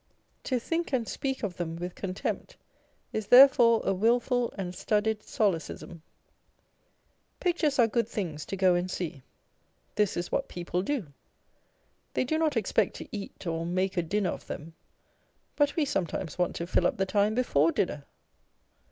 To think and speak of them with contempt is therefore a wilful and studied solecism. Pictures are good things to go and see. This is what people do ; they do not expect to eat or make a dinner of them ; but we sometimes want to fill up the time before dinner.